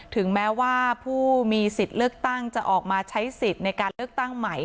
ถึงแม้ว่าผู้มีสิทธิ์เลือกตั้งจะออกมาใช้สิทธิ์ในการเลือกตั้งใหม่